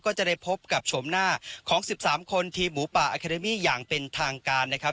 ก็จะได้พบกับโฉมหน้าของ๑๓คนทีมหมูป่าอาคาเดมี่อย่างเป็นทางการนะครับ